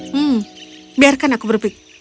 hmm biarkan aku berpik